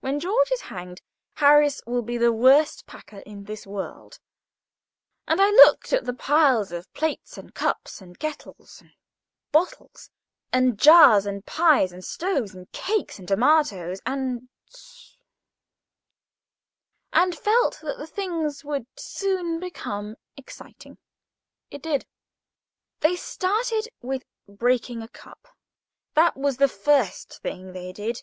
When George is hanged, Harris will be the worst packer in this world; and I looked at the piles of plates and cups, and kettles, and bottles and jars, and pies, and stoves, and cakes, and tomatoes, &c., and felt that the thing would soon become exciting. It did. They started with breaking a cup. That was the first thing they did.